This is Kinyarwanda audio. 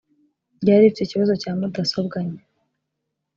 ryari rifite ikibazo cya mudasobwa nke